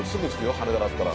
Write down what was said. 羽田だったら。